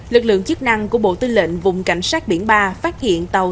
lực lượng chức năng của bộ tư lệnh vùng cảnh sát biển ba phát hiện tàu